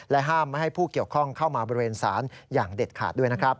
ห้ามไม่ให้ผู้เกี่ยวข้องเข้ามาบริเวณศาลอย่างเด็ดขาดด้วยนะครับ